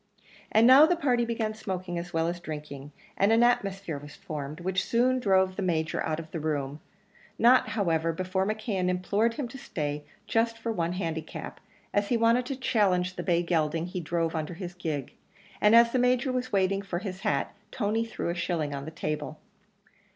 And now the party began smoking as well as drinking; and an atmosphere was formed, which soon drove the Major out of the room not, however, before McKeon implored him to stay just for one handicap, as he wanted to challenge the bay gelding he drove under his gig; and as the Major was waiting for his hat, Tony threw a shilling on the table.